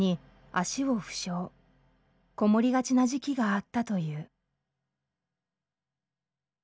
籠もりがちな時期があったという。